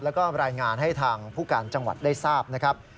แล้วก็รายงานให้ทางผู้การจังหวัดได้ทราบนะครับ